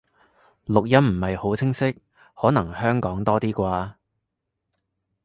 錄音唔係好清晰，可能香港多啲啩